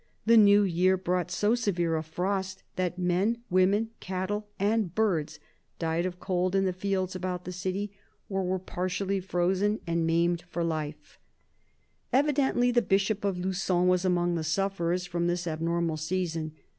The new year brought so severe a frost that men, women, cattle and birds died of cold in the fields about the city, or were partially frozen and maimed for life. THE BISHOP OF LUgON n Evidently the Bishop of Lugon was among the sufferers from this abnormal season.